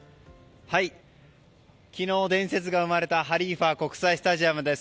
昨日、伝説が生まれたハリーファ国際スタジアムです。